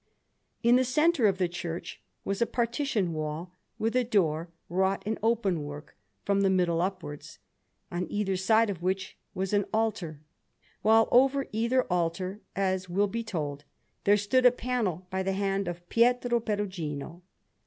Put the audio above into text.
In the centre of the church was a partition wall, with a door wrought in open work from the middle upwards, on either side of which was an altar, while over either altar, as will be told, there stood a panel by the hand of Pietro Perugino.